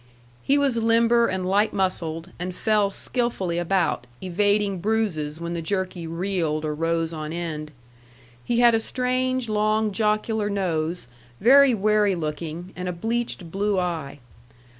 He was limber and light muscled, and fell skilfully about, evading bruises when the jerky reeled or rose on end. He had a strange, long, jocular nose, very wary looking, and a bleached blue eye.